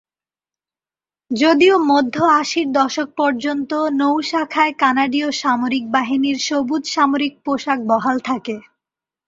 যদিও মধ্য-আশির দশক পর্যন্ত নৌ শাখায় কানাডীয় সামরিক বাহিনীর সবুজ সামরিক পোশাক বহাল থাকে।